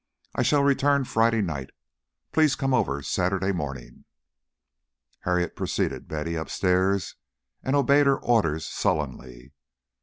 "I shall return Friday night. Please come over Saturday morning." Harriet preceded Betty upstairs, and obeyed her orders sullenly.